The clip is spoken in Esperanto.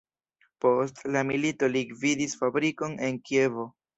Post la milito li gvidis fabrikon en Kievo.